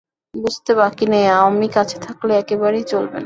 বুঝতে বাকি নেই আমি কাছে থাকলে একেবারেই চলবে না।